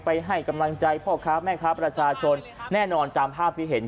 ให้กำลังใจพ่อค้าแม่ค้าประชาชนแน่นอนตามภาพที่เห็น